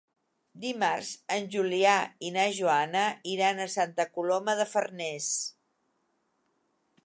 Dimarts en Julià i na Joana iran a Santa Coloma de Farners.